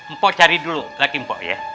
mpok cari dulu laki mpok ya